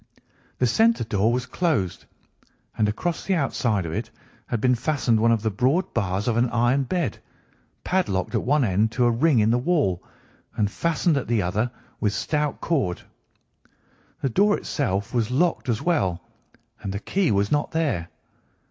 The centre door was closed, and across the outside of it had been fastened one of the broad bars of an iron bed, padlocked at one end to a ring in the wall, and fastened at the other with stout cord. The door itself was locked as well, and the key was not there.